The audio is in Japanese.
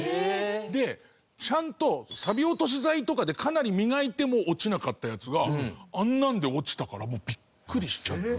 でちゃんとサビ落とし剤とかでかなり磨いても落ちなかったやつがあんなんで落ちたからもうビックリしちゃって。